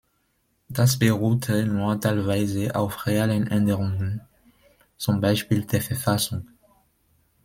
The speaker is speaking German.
Das beruhte nur teilweise auf realen Änderungen, zum Beispiel der Verfassung.